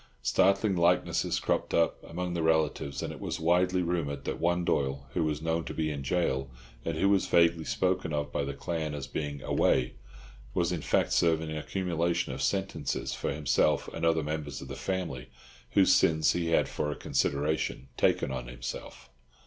Startling likenesses cropped up among the relatives, and it was widely rumoured that one Doyle who was known to be in jail, and who was vaguely spoken of by the clan as being "away," was in fact serving an accumulation of sentences for himself and other members of the family, whose sins he had for a consideration taken on himself.